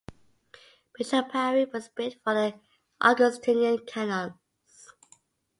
Bisham Priory was built for the Augustinian Canons.